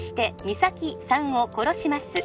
実咲さんを殺します